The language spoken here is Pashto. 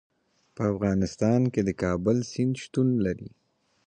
په افغانستان کې د کابل سیند شتون لري.